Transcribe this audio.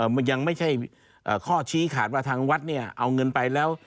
มันยังไม่ใช่ข้อชี้ขาดว่าทางวัดเนี่ยเอาเงินไปแล้ว